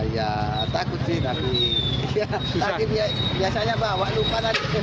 ya takut sih tapi biasanya bawa lupa